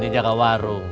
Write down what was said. ini jaga warung